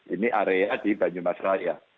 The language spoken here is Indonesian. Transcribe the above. ini area di banyumas raya